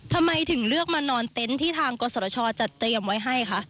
ทำไมถึงเลือกมานอนเต้นที่ทางกษัตริย์ชอจะเตรียมไว้ให้คะ